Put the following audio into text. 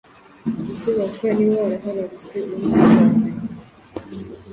Ibyo wakora niba waraharurutswe uwo mwashakanye